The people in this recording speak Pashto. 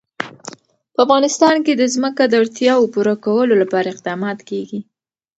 په افغانستان کې د ځمکه د اړتیاوو پوره کولو لپاره اقدامات کېږي.